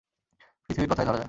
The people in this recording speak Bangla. পৃথিবীর কথাই ধরা যাক।